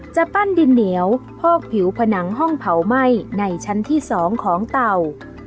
จะปั้นดินเหนียวพอกผิวผนังห้องเผาไหม้ในชั้นที่๒ของเต่า